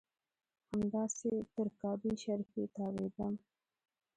همداسې تر کعبې شریفې تاوېدم.